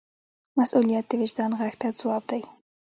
مسؤلیت د وجدان غږ ته ځواب دی.